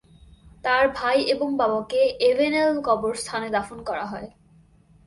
তার ভাই এবং বাবাকে এভেনেল কবরস্থানে দাফন করা হয়।